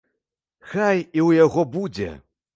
Хай і ў яго будзе!